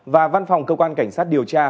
và văn phòng cơ quan cảnh sát điều tra